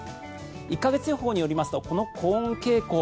１か月予報によりますとこの高温傾向